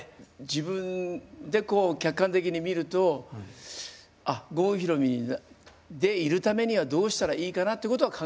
自分で客観的に見るとあ郷ひろみでいるためにはどうしたらいいかなってことは考えますよね。